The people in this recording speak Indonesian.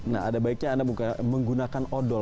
nah ada baiknya anda menggunakan odol